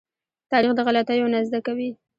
تاریخ د غلطيو نه زده کوي.